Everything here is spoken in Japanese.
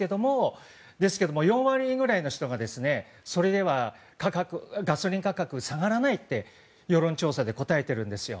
ですけれども、４割くらいの人がそれではガソリン価格下がらないって世論調査で答えているんです。